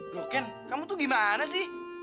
bro ken kamu tuh gimana sih